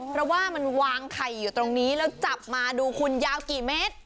เพราะว่ามันวางไข่อยู่ตรงนี้แล้วจับมาดูคุณยาวกี่เมตร